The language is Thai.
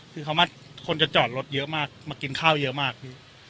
คือเขามาคนจะจอดรถเยอะมากมากินข้าวเยอะมากพี่